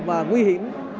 và nguy hiểm